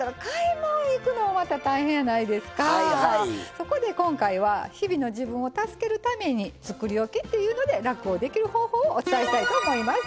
そこで今回は日々の自分を助けるためにつくりおきっていうので楽をできる方法をお伝えしたいと思います。